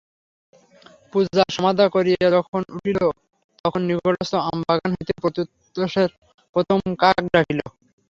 পূজা সমাধা করিয়া যখন উঠিল তখন নিকটস্থ আমবাগান হইতে প্রত্যুষের প্রথম কাক ডাকিল।